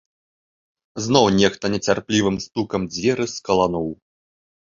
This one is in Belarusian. Зноў нехта нецярплівым стукам дзверы скалануў.